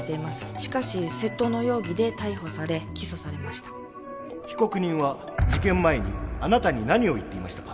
しかし窃盗の容疑で逮捕され起訴されました被告人は事件前にあなたに何を言っていましたか